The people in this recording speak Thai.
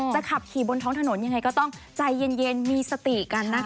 ขับขี่บนท้องถนนยังไงก็ต้องใจเย็นมีสติกันนะคะ